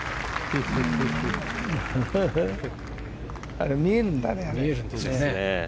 あれ、見えるんだね。